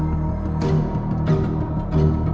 แน่นอน